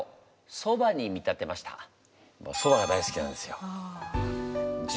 そばが大好きなんですよ。